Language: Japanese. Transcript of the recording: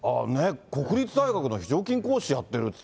国立大学の非常勤講師やってるって。